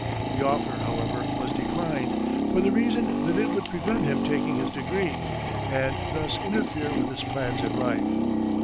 The offer, however, was declined, for the reason that it would prevent him taking his degree, and thus interfere with his plans in life.